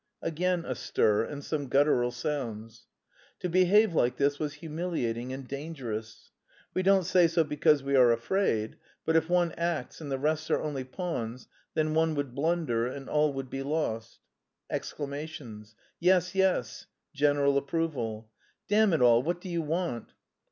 (Again a stir and some guttural sounds.) To behave like this was humiliating and dangerous. "We don't say so because we are afraid, but if one acts and the rest are only pawns, then one would blunder and all would be lost." (Exclamations. "Yes, yes." General approval.) "Damn it all, what do you want?"